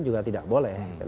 juga tidak boleh